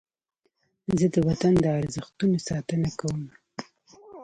زه د وطن د ارزښتونو ساتنه کوم.